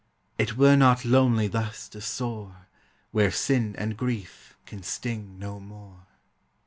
It were not lonely thus to soar Where sin and grief can sting no more.